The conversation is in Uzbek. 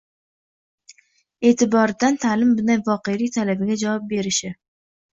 e’tiboridan ta’lim bunday voqelik talabiga javob berishi